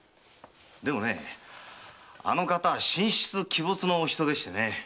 でもねあの方は神出鬼没のお人でしてね。